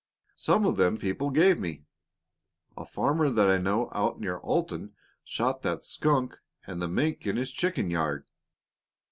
Some of them people gave me. A farmer that I know out near Alton shot that skunk and the mink in his chicken yard.